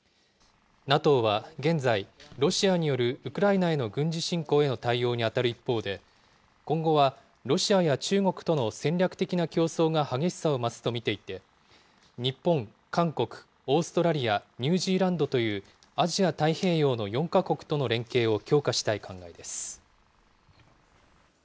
ＮＡＴＯは現在、ロシアによるウクライナへの軍事侵攻への対応に当たる一方で、今後はロシアや中国との戦略的な競争が激しさを増すと見ていて、日本、韓国、オーストラリア、ニュージーランドというアジア太平洋の４か国との連携を強化したい考えです。